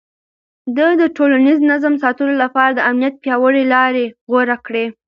ده د ټولنيز نظم ساتلو لپاره د امنيت پياوړې لارې غوره کړې.